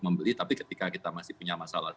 membeli tapi ketika kita masih punya masalah